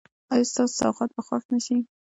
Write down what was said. ایا ستاسو سوغات به خوښ نه شي؟